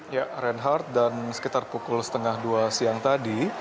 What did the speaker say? ya reinhardt dan sekitar pukul setengah dua siang tadi